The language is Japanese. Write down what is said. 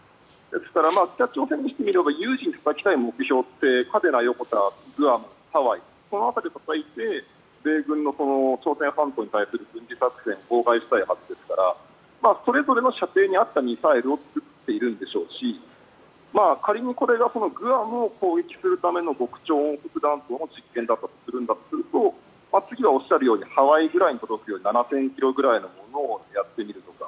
ですから、北朝鮮にしてみれば有事に届きたい目標とは嘉手納、横田、グアム、ハワイこの辺りをたたいて米軍の朝鮮半島に対する軍事作戦を妨害したいはずですからそれぞれの射程に合ったミサイルを作っているんでしょうし仮にこれがグアムを攻撃するための極超音速弾頭の実験だとすると次はおっしゃるようにハワイに届くぐらいの７０００ｋｍぐらいのものをやってみるとか